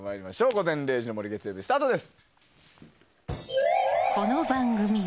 「午前０時の森」月曜日スタートです。